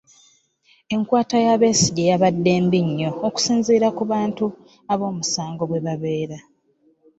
Enkwata ya Besigye yabadde mbi nnyo okusinziira ku bantu ab'omugaso bwe babeera.